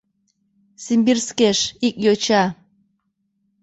Симбирскеш, ик йоча